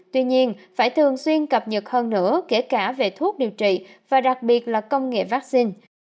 tuy nhiên phải thường xuyên cập nhật hơn nữa kể cả về thuốc điều trị và đặc biệt là công nghệ vaccine